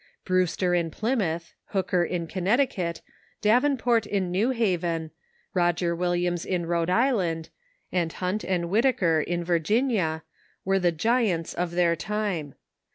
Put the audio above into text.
Brewster in Plymouth, Hooker in Connecticut, Davenport in New Haven, Roger Williams in Rhode Island, and Hunt and Whitaker in A'irginia, were the giants of their time.